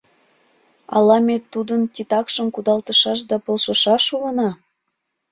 Ала ме тудын титакшым кудалтышаш да полшышаш улына?